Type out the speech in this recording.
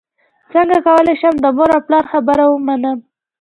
څنګه کولی شم د مور او پلار خبره ومنم